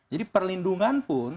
jadi perlindungan pun